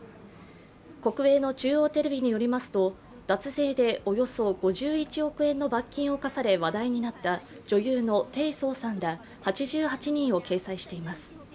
国営の中央テレビによりますと、脱税でおよそ５１億円の罰金を科され話題になった女優の鄭爽さんら８８人を掲載しています。